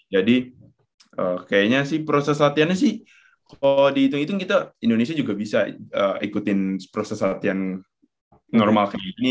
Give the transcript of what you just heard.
jadi kayaknya sih proses latihannya sih kalau dihitung itu indonesia juga bisa ikutin proses latihan normal kayak gini